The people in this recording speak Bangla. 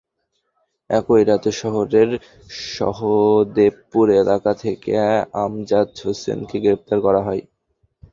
একই রাতে শহরের সহদেবপুর এলাকা থেকে আমজাদ হোসেনকে গ্রেপ্তার করা হয়।